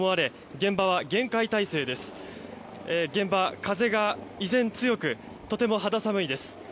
現場、風が依然強くとても肌寒いです。